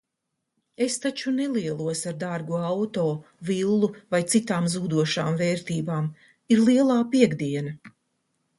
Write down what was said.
Es taču nelielos ar dārgu auto, villu vai citām zūdošām vērtībām. Ir lielā piektdiena.